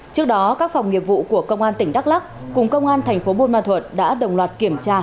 trước đó các phòng nghiệp vụ của công an tỉnh đắk lắc cùng công an tp bôn ma thuật đã đồng loạt kiểm tra